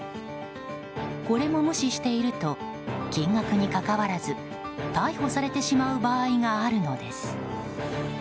これも無視していると金額にかかわらず逮捕されてしまう場合があるのです。